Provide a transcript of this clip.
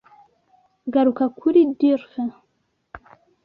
garuka kuri d'urfé